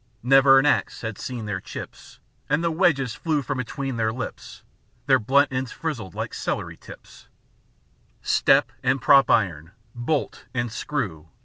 Never an axe had seen their chips, And the wedges flew from between their lips; Their blunt ends frizzled like celery tips; Step and prop iron, bolt and screw.